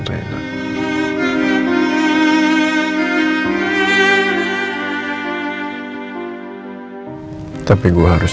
setelah berjalan l directors